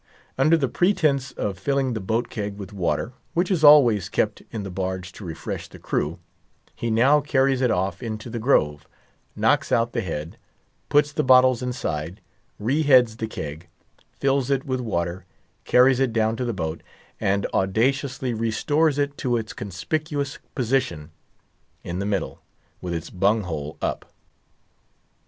Under the pretence of filling the boat keg with water, which is always kept in the barge to refresh the crew, he now carries it off into the grove, knocks out the head, puts the bottles inside, reheads the keg, fills it with water, carries it down to the boat, and audaciously restores it to its conspicuous position in the middle, with its bung hole up.